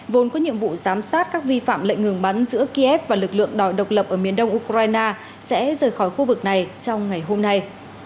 vốn có nhiệm vụ giám sát các vi phạm lệnh ngừng bắn giữa kiev và lực lượng đòi độc lập ở miền đông ukraine sẽ rời khỏi khu vực này trong ngày hôm nay